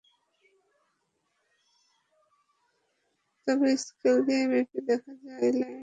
তবে স্কেল দিয়ে মেপে দেখা গেছে লাইনের বিভিন্ন স্থানে ক্লিপ সরে গেছে।